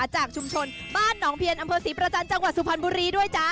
จากชุมชนบ้านหนองเพียรอำเภอศรีประจันทร์จังหวัดสุพรรณบุรีด้วยจ๊ะ